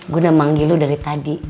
gue udah manggil lo dari tadi